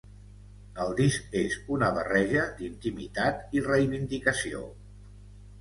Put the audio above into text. El disc és una barreja d’intimitat i reivindicació.